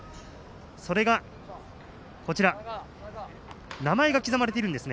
それが、名前が刻まれています。